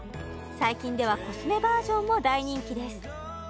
最近ではコスメバージョンも大人気です